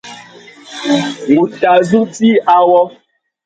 Ngu tà zu djï awô.